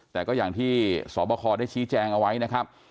แต่ก็อย่างที่สบคได้ชี้แจงเอาไว้นะครับ